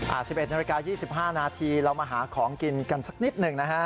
๑๑นาฬิกา๒๕นาทีเรามาหาของกินกันสักนิดหนึ่งนะฮะ